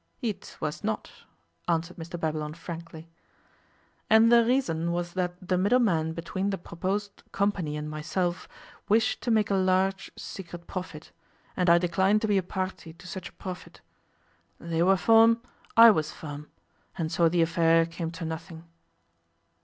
'It was not,' answered Mr Babylon frankly, 'and the reason was that the middle men between the proposed company and myself wished to make a large secret profit, and I declined to be a party to such a profit. They were firm; I was firm; and so the affair came to nothing.